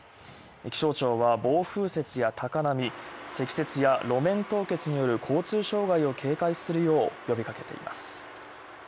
気象庁は、暴風雪や高波、積雪や路面凍結による交通障害を警戒するよう呼びかけています。